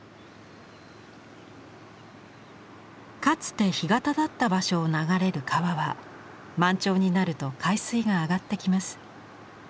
かつて干潟だった場所を流れる川は満潮になると海水が上がってきます。